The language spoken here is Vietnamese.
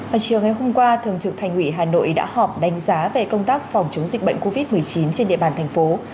và chiều ngày hôm qua thường trực thành ủy hà nội đã họp đánh giá về công tác phòng chống dịch bệnh covid một mươi chín trên địa bàn thành phố